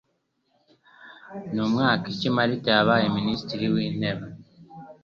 Ni mwaka iki Marita yabaye Minisitiri w'Intebe?